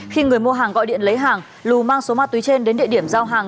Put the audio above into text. khi người mua hàng gọi điện lấy hàng lù mang số ma túy trên đến địa điểm giao hàng